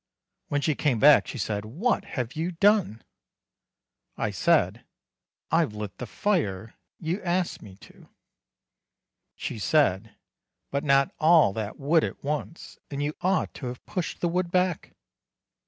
When she came back she said: "What have you done?" I said: "I've lit the fire; you asked me to." She said: "But not all that wood at once, and you ought to have pushed the wood back."